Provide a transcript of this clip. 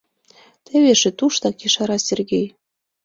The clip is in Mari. — Теве эше туштак, — ешара Сергей.